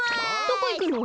どこいくの？